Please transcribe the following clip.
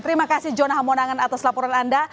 terima kasih jona hamonangan atas laporan anda